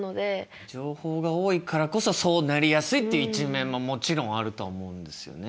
情報が多いからこそそうなりやすいっていう一面ももちろんあるとは思うんですよね。